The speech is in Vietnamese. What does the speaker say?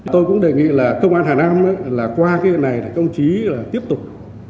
tôi cũng đề nghị là công an hà nam là qua cái này là công chí là tiếp tục